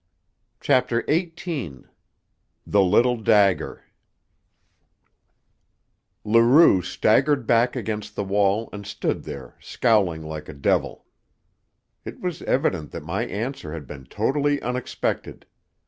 CHAPTER XVIII THE LITTLE DAGGER Leroux staggered back against the wall and stood there, scowling like a devil. It was evident that my answer had been totally unexpected.